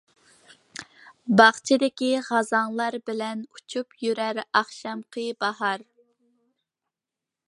باغچىدىكى خازانلار بىلەن، ئۇچۇپ يۈرەر ئاخشامقى باھار.